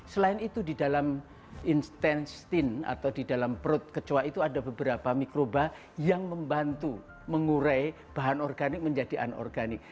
selain itu di dalam instensin atau di dalam perut kecoa itu ada beberapa mikroba yang membantu mengurai bahan organik menjadi anorganik